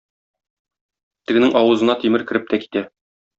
Тегенең авызына тимер кереп тә китә.